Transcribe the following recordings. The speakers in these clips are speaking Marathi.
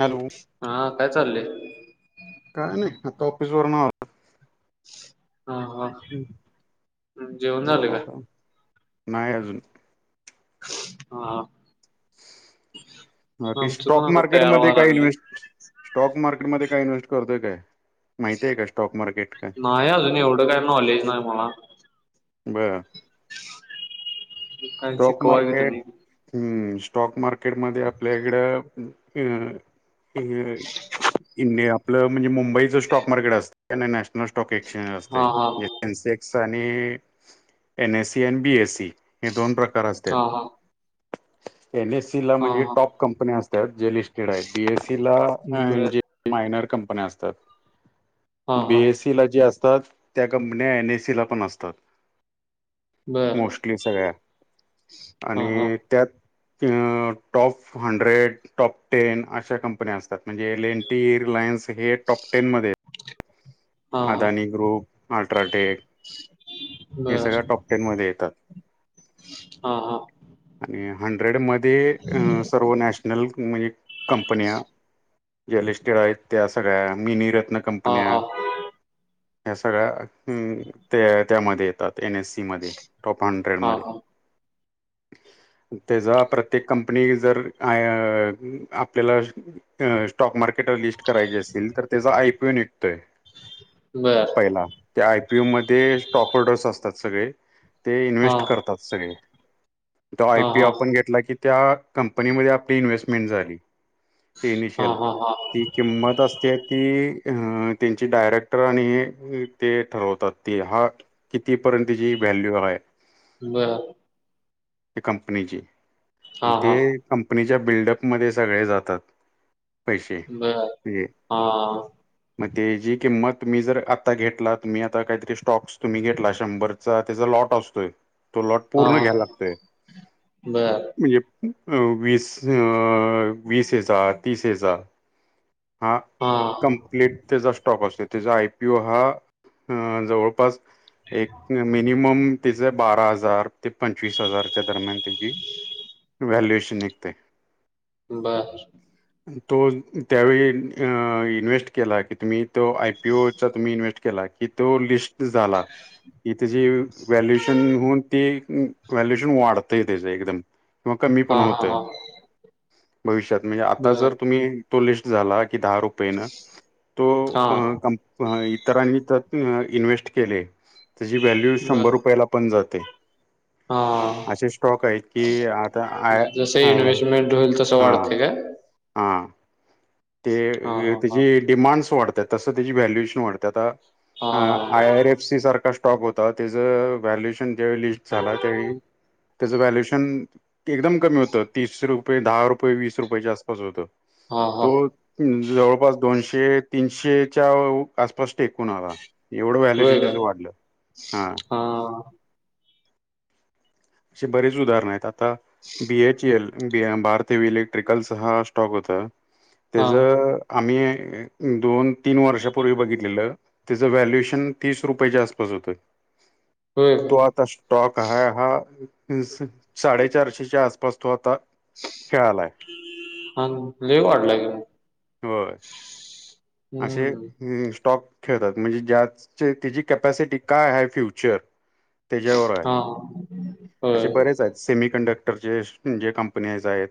हॅलो हा काय चाललंय? काय नाही आता ऑफिस वरन आलो. हा हा. जेवन झालं काय? नाही अजून. हा. हा. हा ते आमचं पण स्टॉक आता तयार मार्केटमध्ये व्हायला काय लागले इन्व्हेस्ट. स्टॉक मार्केटमध्ये काय इन्व्हेस्ट करतोय काय? माहिती हाय काय स्टॉक मार्केट काय? नाही अजून एवढं काय नॉलेज नाही मला बर. काय स्टॉक शिकवा की मार्केट तुम्ही हम्म. स्टॉक मार्केटमध्ये आपल्या इकडं अ. इंड इंडिया आपलं म्हणजे मुंबईच स्टॉक मार्केट असत. नाही नॅशनल स्टॉक एक. स्चेंज असतय. हा हा एक सेन्सेक्स आणि. एन. एस. सी. आणि बी. एस. सी. दोन प्रकार असत्यात. हा हा एन. एस. सी ला हा म्हणजे हा टॉप कंपन्या असत्यात. जे लिस्टेड आहेत. बी. एस. सी. ला बर जे मायनर कंपन्या असत्यात. हा बी. हा एस. सी ला जे आस तात. त्या कंपन्या एन. ए. सी. ला पण असतात. बर मोस्टली सगळ्या. हा आणि हा ई त्यात. त टॉप हंड्रेड. Top ten. अशा कंपन्या असतात. म्हणजे एल. एन. टी, रिलायन्स हे टॉप टेन मध्ये हाय. हा हा अदानी ग्रुप. Ultra take. हे बर सगळं टॉप टेन मध्ये येतात. हा हा आणि हंड्रेड मध्ये. अं सर्व नॅशनल म्हणजे कंपन्या ज्या लिस्टेड आहेत त्या सगळ्या मिनीरत्न हा हा कंपन्या हा ह्या सगळ्या अं त्या त्यामध्ये येतात. एन. एस. सी मध्ये टॉप हंड्रेड मध्ये. हा तेजा प्रत्येक कंपनी जर अं. अ आपल्याला स्टॉक मार्केटवर लिस्ट करायची असेल. तर त्याचा आय. पी. ओ. निघतोय. बर पहिला त्या आय. पी. यू. मध्ये स्टॉक होर्डर्स असतात सगळे. ते हा इन्व्हेस्ट करतात सगळे. तो आय. हा पी. हा आपण घेतला की. त्या कंपनीमध्ये आपली इन्व्हेस्टमेंट झाली. इनिशल हा हा हा ती किंमत असत्या ती ते ची डायरेक्टर आणि हे ते ठरवतात ती हा कितीपर्यंतची व्हॅल्यू हाय. बर. त्या कंपनीची. हा आणि हा ते कंपनी च्या बिल्डअप मध्ये सगळे जातात. पैसे म्हणजे म ते जी किंमत तुम्ही जर आता घेतलत. तुम्ही आता काहीतरी स्टॉक्स तुम्ही घेतला शंभरचा त्याचा लॉट आसतोय. तो लॉट पूर्ण घ्याल लागतोय. बर म्हणजे अ. वीस, अ वीस हेजा, तीस हेजा. हा कंप्लीट तेजा स्टॉक असतोय. तेजा आय. पी. ओ. हा जवळपास एक मिनिमम. तेज बारा हजार, ते पंचवीस हजारच्या दरम्यान तेजी व्हॅल्यएशन निघते. बर. तो त्यावेळी इन्व्हेस्ट केला कि तुम्ही तो आयपीओचा तुम्ही इन्व्हेस्ट केला की तो लिस्ट झाला ह त्याची व्हॅल्युएशन होऊन तेी व्हॅल्युएशन वाढतंय त्याच एकदम किंवा कमी हा पण हा होतय हा भविष्यात म्हणजे आता जर बर तुम्ही तो लिस्ट झाला की दहा रुपयेनं हा तो क इतरांनी त्या इन्व्हेस्ट केले त्याची व्हॅल्यू बर शंभर रुपयाला पण जाते हा असे स्टॉक आहेत की आता आय तसं हा इन्वेस्टमेंट स हा वाढत का? हा. हा ते हा त्याची डिमांड्स वाढतात तसं त्याची व्हॅल्युएशन वाढतात आता हा ह हा य आर एफ सी सरकार स्टॉप होता त्याचं व्हॅल्युएशन ज्या लिस्ट झाला त्यावेळी त्याचं व्हॅल्युएशन एकदम कमी होतं तीस रुपये दहा रुपये वीस रुपयाच्या आसपास होतं हा हा तो जवळपास दोनशे तीनशेच्या आसपास टेकून आला एवढं व्हॅल्यूशन होय त्याच काय वाढलं हा असे बरेच उदाहरण आहेत आता B H L Bharti heavy electrical हा स्टॉक होता हा त्याच आम्ही दोन तीन वर्षापूर्वी बघितलेलं त्याचं व्हॅल्युएशन तीस रुपयाच्या आसपास होतं होय तो काय आता स्टॉक हा हा साडेचारशेच्या आसपास तो आता खेळालाय ह लय वाढलंय. होय. असे स्टॉक खेळतात म्हणजे ज्या त्याची कॅपॅसिटी काय आहे फ्युचर त्याच्यावर आहे हा होय असे बरेच आहेत सेमी कंडक्टर र जे कंपनी आहेत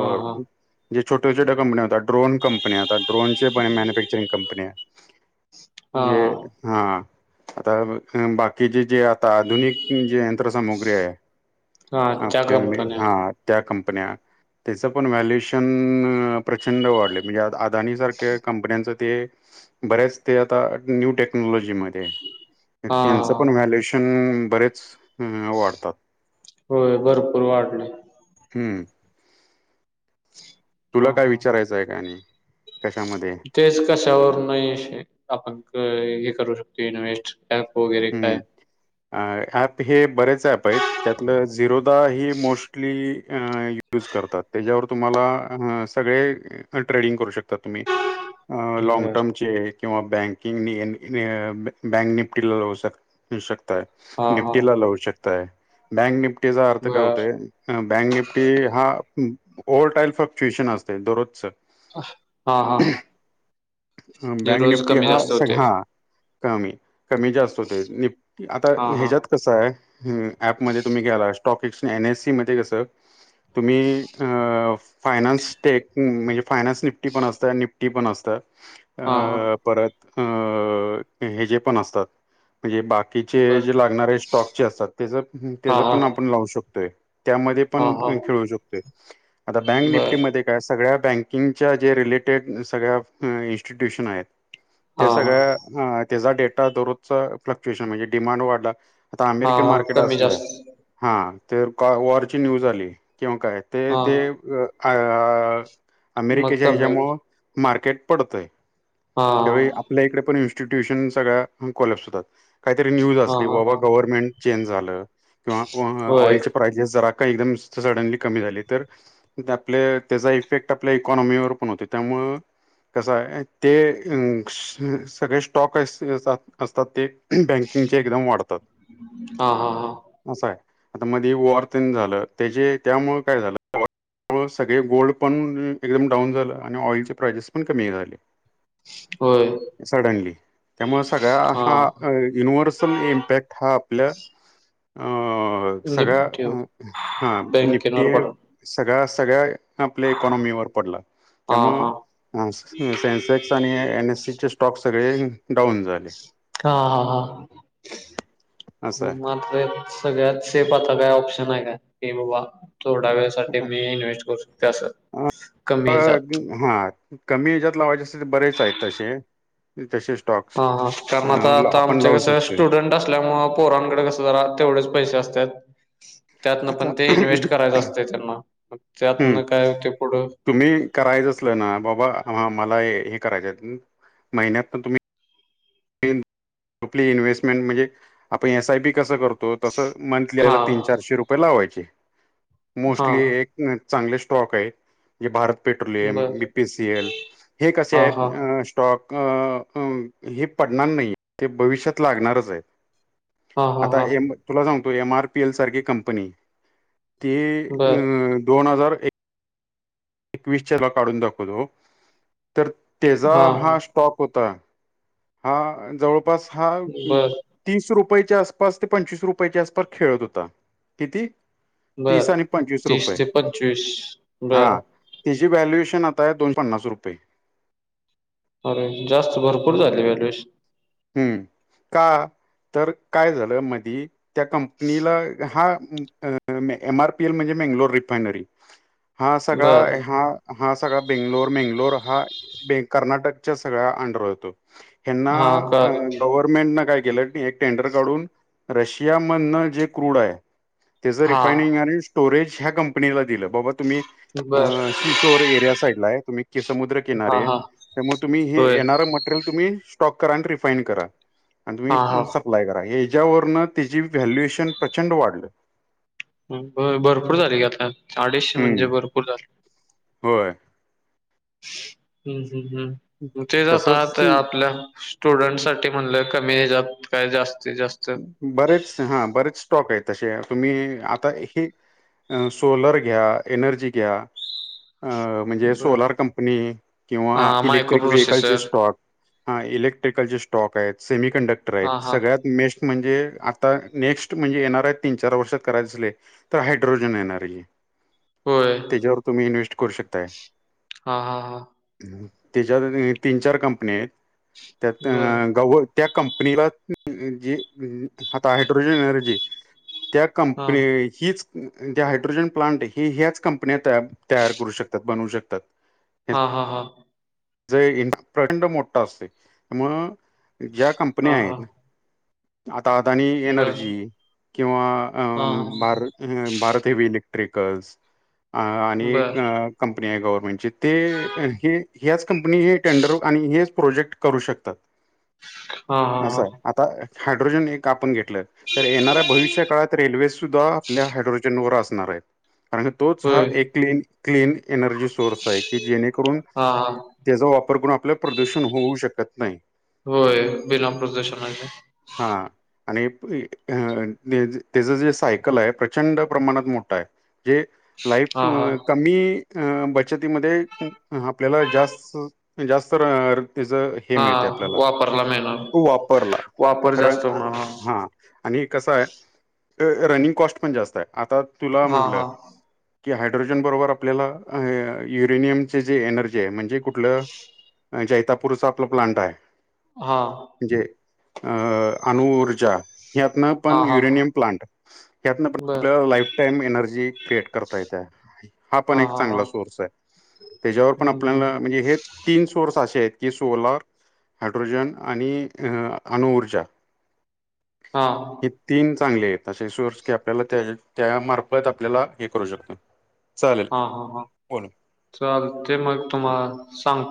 हा हा जे छोट्या छोट्या कंपन्या आता ड्रोन कंपन्या ड्रोनची मॅनुफॅक्चरिंग कंपनी हा जे हा आता बाकीचे जे आता आधुनिक जे यंत्रसामुग्री आहे हा त्या कंपन्या ह त्या कंपन्या त्याचं पण व्हॅल्युएशन कंपन्यांच ते बऱ्याच ते आता न्यू टेक्नॉलॉजी मध्ये हा त्यांचं पण व्हॅल्युएशन बरेच वाढतात होय भरपूर वाढले. हम्म. हा तुला काय हा विचारायचंय काय आणि? कशामध्ये तेच कशावर नाही आपण हे करू शकतो इन्व्हेस्ट ऍप वगैरे काय? अ ऍप हे बरेच ऍप आहेत त्यातलं झिरोदा ह मोस्टली अ यूज करतात त्याच्यावर तुम्हाला सगळे ट्रेडिंग करू शकता तुम्ही अ लँग बर टर्म चे किंवा बँकिंग बँक निपटी शकता हा हा निफ्टीला लावू शकता बँक निफ्टी निफ्टीचा अर्थ काय बर होते बँक निफ्टी हा ओल्ड टाईप ऑफ ट्युएशन असते दरोजच हा हा. जे बँक रोज निप्टी कमी हा जास्त सग होते हा कमी कमी जास्त हो आता हा हा ह्याच्यात कसं आहे ऍप मध्ये तुम्ही गेलात टॉकस एन एस सी मध्ये कसं तुम्ही फायनान्स टेक म्हणजे फायनान्स निफ्टी पण असता निफ्टी पण असता हा हा परत अं! हे, जे पण असतात. म्हणजे, बाकीचे बर जे लागणारे स्टॉक जे असतात, त्याच, हा त्याच हा पण आपण लावू शकतोय. त्यामध्ये हा पण हा खेळू शकतोय. आता बँक बर निपटीमध्ये काय सगळ्या बँकिंगच्या, जे रिलेटेड सगळ्या इन्स्टिट्युशन आहेत. हा त्या सगळ्या त्याचा, डेटा दररोजचं फ्लक्च्युएशन म्हणजे डिमांड वाढला. आता हा अमेरिकन हा मार्केट कमी असलं, जास्त हा. तर वॉरची, न्यूज आली किंवा काय? ते! हा ते! आ मग अमेरिकेच्या कमी होत ह्याच्यामुळं मार्केट पडतय, हा त्यावेळी आपल्या इकडे पण येऊ शकतय. इनस्टिट्यूशन, सगळ्या कोलॅप्स होतात. काहीतरी न्यूज हा असली, हा बाबा! हा गव्हर्नमेंट चेंज झालं, किंवा होय ऑइलचे प्रायजेस जरा एकदम, सडनली कमी झाली, तर त्याचा इफेक्ट आपल्या इकॉनॉमीवर पण होते, त्यामुळे हम? कस आहे? ते अ! सगळे, स्टॉक असतात ते बँकिंगचे, एकदम वाढतात. हा! हा! हा! असं आहे. आता, मध्ये वॉर ते न झालं, त्याचे त्यामुळं काय झालं? त्यामुळे, सगळे गोल्ड पण एकदम डाऊन झालं, आणि ऑइलचे प्रायजेस पण कमी झाले. होय सडनली! त्यामुळे सगळ्या हा युनिव्हर्सल इम्पॅक्ट, हा आपल्या आ अ! सगळ्या, निफ्टीवर हा. बँकेवर निपटीये पड सगळ्या-सगळ्या आपल्या इकॉनॉमीवर पडला, हा हा त्यामुळं सेन्सेक्स आणि एनएससी चे स्टॉक, सगळे डाऊन झाले. हा हा हा. असं आहे मात्र, सगळ्यात सेफ आता काय, ऑप्शन आहे काय की बाबा? थोड्या वेळासाठी, मी इन्व्हेस्ट करू शकतो, असं. कमी ह्याच्यात हा कमी हेच्यात लावायचे असेल तर, बरेच आहेत तसे तसेच हा हा, त्यामुळं आता आता आमचे कसं शकतोय स्टुडंट असल्यामुळे, पोरांकडे कसं जरा तेवढेच पैसे असतात. त्यातनं, आता पण ते इन्व्हेस्ट करायचं असतं, त्यांना. हम त्यातनं काय होते पुढं तुम्ही करायचं असलं ना, बाबा मला हे हे करायचेत महिन्यात पण तुम्ही? आपली इन्व्हेस्टमेंट म्हणजे, आपण एस आय बी कस करतो? तसं मंथली हा हेला तीन-चारशे रुपये लावायचे. हा मोस्टली एक चांगले स्टॉक आहे, जे भारत पेट्रोलियम, बर बीपीसीएल हे कसे हा आहेत? हा स्टॉक अ हे पडणार नाहीत ते भविष्यात लागणारच आहेत, हा हा आता हा तुला सांगतो? एमआरपीएल सारखी कंपनी ते बर दोन हजार एक एकवीसच्या ला काढून दाखवतो, तर त्याचा हा स्टॉक होता. हा जवळपास हा बर तीस रुपये रुपयाच्या आसपास ते पंचवीस रुपयाच्या आसपास खेळत होता, किती? तीस बर आणि पंचवीस रुपये तीस ते पंचवीस बर हा जे व्हॅल्युएशन, आता आहे दोन पन्नास रुपये. अरे! जास्त भरपूर झाले, व्हॅल्यूएशन. हम्म! का तर काय झालं? मधी. त्या कंपनीला, हा एम. आरपीएल म्हणजे मेंगलोर रिफायनरी. हा, सगळा बर हा हा, सगळा बेंगलोर-मेंगलोर, हा बेळगाव- कर्नाटकच्या सगळ्या अंडर येतो. ह्यांना हा अ कळालं गव्हर्नमेंट न काय? गेलं की, एक टेंडर काढून रशिया मन जे क्रूड हाय तेज हा रिफायनिंग आणि स्टोरेज, ह्या कंपनीला दिलं. बाबा मी बर अ शीशोर एरिया साइड ला हाय तुम्ही के समुद्र हा किनारी हा त्यामुळ तुम्ही हे होय येणारं मटेरियल तुम्ही टॉप करा आणि रिफाइंड करा आणि हा हा तुम्ही सप्लाय करा हे ज्यावरनं तिची व्हॅल्युएशन प्रचंड वाढलं अ भरपूर झाली की आता अडीशे म्हणजे हम्म भरपूर झाल होय. हम्म हम्म हम्म. म तेच आता तसच आता आपल्या स्टुडंट साठी म्हणलं कमी हेज्यात काय जास्त बरेच हा बरेच स्टॉक आहे तसे तुम्ही आता हे अ सोलर घ्या, एनर्जी घ्या अ म्हणजे बर सोलार कंपनी किंवा हा मायक्रो इलेक्ट्रिक व्हेईकलचे प्रोसेसर स्टॉक हा इलेक्ट्रिकलचे स्टॉक येत. सेमी कंडक्टर हा आहेत, हा सगळ्यात मेस्ट म्हणजे आता नेक्स्ट म्हणजे येणारय तीन चार वर्षात करायचे झाले तर हायड्रोजन येणारय. होय तेज्यावर तुम्ही इन्व्हेस्ट करू शकताय हा हा हा तेज्यात [unintelligible] तीन चार कंपनी हायत त्यात अ बर गव त्या कंपनीला अ जे अ आता हायड्रोजन एनर्जी त्या हा कंपनी इ हीच अ त्या हायड्रोजन प्लांट ही ह्याच कंपन्यात तया तयार करू शकतात. बनवू शकतात. हा हा हा. जे [unintelligible] मोठा असतय, म ज्या कंपन्या हा हा आहेत दादानी बर एनर्जी किंवा अ हा हा भार भारत हेवी इलेक्ट्रिक कल्स अ आणि बर एक अ कम पनी हाय गव्हर्नमेंटची, ते हे ह्याच कंपनी चे टेंडर आणि हेच प्रोजेक्ट करू शकतात. हा हा असं हा हाय आता हायड्रोजन एक आपण घे ल तर येणाऱ्या भविष्य काळात रेल्वे सुद्धा आपल्या हायड्रोजन व असणार आहेत. कारण कि तोच हा होय एक क्लीन क्लीन एनर्जी सोर्स आहे की, जेणेकरून हा हा तेजा वापर करून आपल्या प्रदूषण होऊ शकत नाही बीना प्रदूषण [unintelligible] हा. आणि इ अ तेच तेज जे सायकल हाय प्रचंड प्रमाणात मोठ हाय. जे लाईफ हा हा कमी अ बचतीमध्ये अ आपल्याला जास्त जास्त र तेज हे हा मिळते आपल्याला वापरला मिळणार तो वापरला वापर रन जास्त अ होणार हा आणि कसंय र रनिंग कॉस्ट पण जास्त हाय. आता तुला हा म्हटलं हा कि हायड्रोजन बरोबर आपल्याला अ युरेनियमचे जे एनर्जी हाय, म्हणजे कुठलं? अ जैतापूरचा आपला प्लांट हाय. हा. अ अणुऊर्जा ह्यातनं पण हा हा युरेनियम प्लांट ह्यातनं पण बर आपल्याला लाईफ टाईम एनर्जी क्रिएट करता येत्या. हा पण एक चांगला सोर्स हाय तेजावर पण हम्म हम्म हम्म. आपल्याला म्हणजे हे तीन सोर्स असे आहेत की सोलार हायड्रोजन आणि अ अणुऊर्जा हा हे तीन चांगलेयेत तशे सोर्स की, आपल्याला त्या त्या मार्फत आपल्याला हे करू शकत हा हा हा. चालतयं मग तुम्हाला सांग